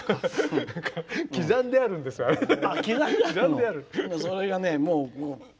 刻んであるんですよあれは。